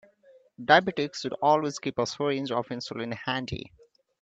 Diabetics should always keep a syringe of insulin handy.